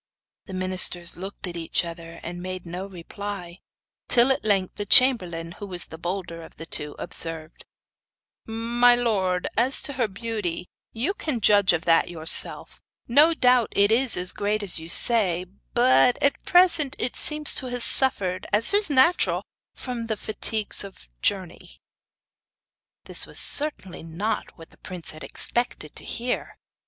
The ministers looked at each other, and made no reply; till at length the chamberlain, who was the bolder of the two, observed: 'My lord, as to her beauty, you can judge of that for yourself. No doubt it is as great as you say; but at present it seems to have suffered, as is natural, from the fatigues of the journey.' This was certainly not what the prince had expected to hear.